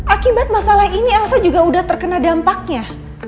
akibat masalah ini elsa juga sudah terkena dampaknya